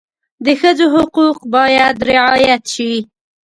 د ښځو حقوق باید رعایت شي.